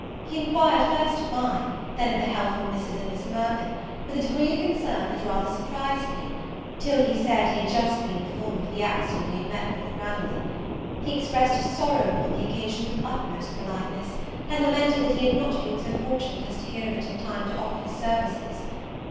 He inquired first of mine, then of the health of Mrs. and Miss Mirvan, with a degree of concern that rather surprised me, till he said he had just been informed of the accident we had met with at Ranelagh. He expressed his sorrow upon the occasion with utmost politeness, and lamented that he had not been so fortunate as to hear of it in time to offer his services.